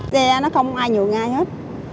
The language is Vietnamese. xe nó không ai nhường ai hết